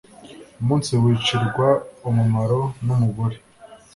umunsi wicirwa umumaro n’umugore